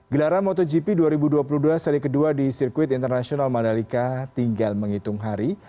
gelaran motogp dua ribu dua puluh dua seri kedua di sirkuit internasional mandalika tinggal menghitung hari